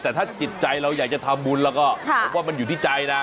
แต่ถ้าจิตใจเราอยากจะทำบุญแล้วก็ผมว่ามันอยู่ที่ใจนะ